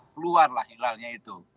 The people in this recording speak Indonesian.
keluarlah hilalnya itu